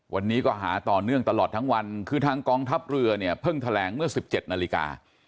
วันนี้ก็หาต่อเนื่องตลอดทั้งวันคือทางกองทัพเรือเนี่ยเพิ่งแถลงเมื่อ๑๗นาฬิกา